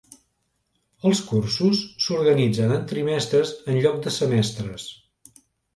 Els cursos s'organitzen en trimestres en lloc de semestres.